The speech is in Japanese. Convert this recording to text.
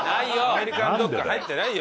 アメリカンドッグ入ってないよ。